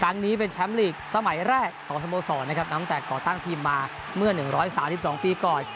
ครั้งนี้เป็นแชมป์ลีกสมัยแรกของสโมสรนะครับตั้งแต่ก่อตั้งทีมมาเมื่อ๑๓๒ปีก่อน